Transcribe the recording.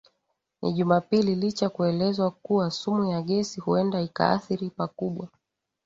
ni jumapili licha kuelezwa kuwa sumu ya gesi huenda ikaadhiri pakubwa